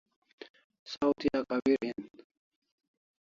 Saw thi akhabir hin